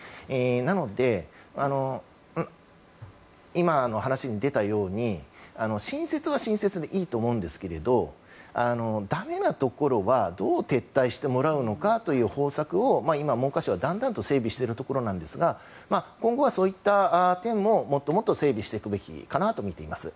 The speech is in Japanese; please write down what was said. なので、今の話に出たように新設は新設でいいと思うんですがだめなところはどう撤退してもらうのかという方策を今、文科省はだんだんと整備していますが今後はそういった点ももっともっと整備していくべきとみています。